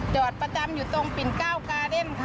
จอดประจำอยู่ตรงปิ่นเก้ากาเดนค่ะ